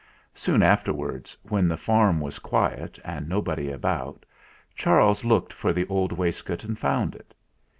Soon afterwards, when the farm was quiet and nobody about, Charles looked for the old waistcoat and found it.